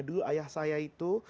dulu ayah saya itu